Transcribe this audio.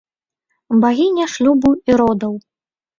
Багіня шлюбу і родаў.